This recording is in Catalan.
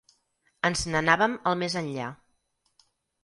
Ens n'anàvem al més enllà.